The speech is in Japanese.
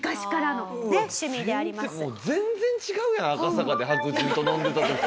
もう全然違うやん赤坂で白人と飲んでた時と。